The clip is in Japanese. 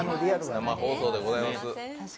生放送でございます。